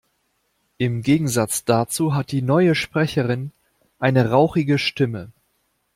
Im Gegensatz dazu hat die neue Sprecherin eine rauchige Stimme.